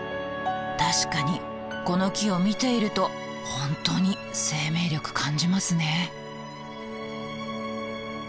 確かにこの木を見ていると本当に生命力感じますね！